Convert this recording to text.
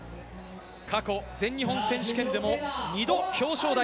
過去、全日本選手権でも２度表彰台。